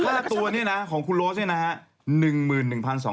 ค่าตัวนี่นะของคุณโรสนี่นะฮะ